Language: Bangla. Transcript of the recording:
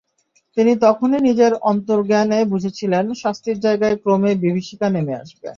তিনি তখনই নিজের অন্তর্জ্ঞানে বুঝেছিলেন, শান্তির জায়গায় ক্রমেই বিভীষিকা নেমে আসবে।